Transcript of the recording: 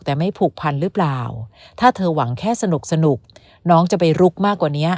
แต่ไม่ผูกพันหรือเปล่าถ้าเธอหวังแค่สนุกน้องจะไปลุกมากกว่านี้